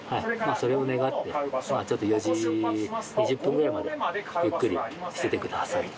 それを願ってちょっと４時２０分ぐらいまでゆっくりしててください。